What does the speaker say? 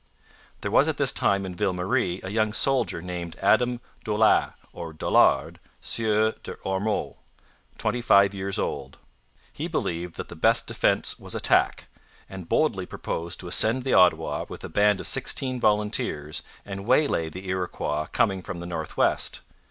There was at this time in Ville Marie a young soldier named Adam Daulac, or Dollard, Sieur des Ormeaux, twenty five years old. He believed that the best defence was attack, and boldly proposed to ascend the Ottawa, with a band of sixteen volunteers, and waylay the Iroquois coming from the north west.